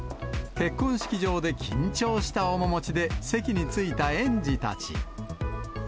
結婚式場で緊張した面持ちで席に着いた園児たち。